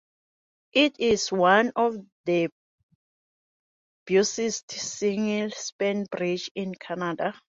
It is one of the busiest single-span bridges in Canada.